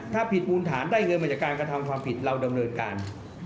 ถ้าผิดมูลฐานได้เงินมาจากการกระทำความผิดเราดำเนินการ